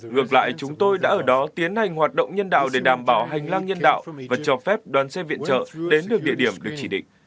ngược lại chúng tôi đã ở đó tiến hành hoạt động nhân đạo để đảm bảo hành lang nhân đạo và cho phép đoàn xe viện trợ đến được địa điểm được chỉ định